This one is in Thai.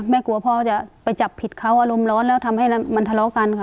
กลัวพ่อจะไปจับผิดเขาอารมณ์ร้อนแล้วทำให้มันทะเลาะกันค่ะ